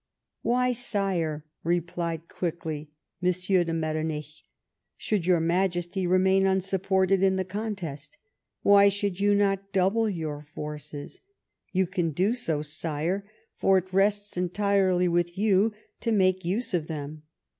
" Why, Sire," replied quickly M. de Mettcrnich, " should your INTajesty remain unsupjjorted in the contest ? "Why should you not double your forces? You can do so, Sire, for it rests entirely with you to make use of them.